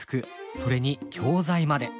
それに教材まで。